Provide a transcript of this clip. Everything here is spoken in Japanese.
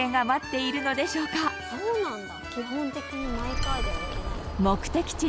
そうなんだ。